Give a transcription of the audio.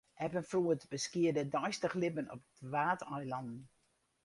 Eb en floed beskiede it deistich libben op de Waadeilannen.